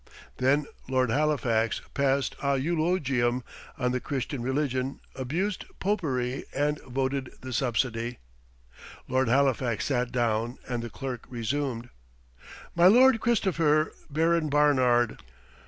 Then Lord Halifax passed a eulogium on the Christian religion, abused popery, and voted the subsidy. Lord Halifax sat down, and the Clerk resumed, "My Lord Christopher, Baron Barnard."